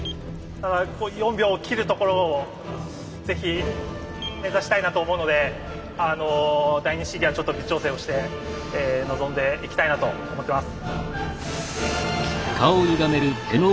４秒を切るところをぜひ目指したいなと思うので第二試技はちょっと微調整をして臨んでいきたいなと思ってます。